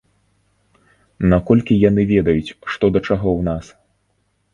Наколькі яны ведаюць, што да чаго ў нас?